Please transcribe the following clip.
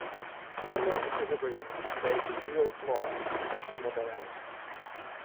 Thermal equilibrium obeys the zeroth law of thermodynamics.